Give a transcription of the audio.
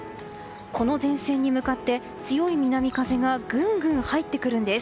この前線に向かって強い南風がぐんぐん入ってくるんです。